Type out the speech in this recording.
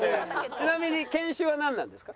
ちなみに犬種はなんなんですか？